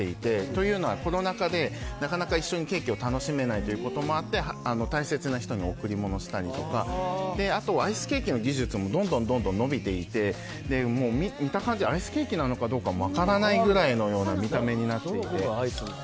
というのは、コロナ禍でなかなか一緒にケーキを楽しめないということもあって大切な人の贈り物にしたりとかあとアイスケーキの技術もどんどん伸びていて見た感じアイスケーキなのかどうかも分からないくらいの見た目になっていて。